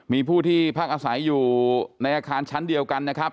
มีผู้ที่พักอาศัยอยู่ในอาคารชั้นเดียวกันนะครับ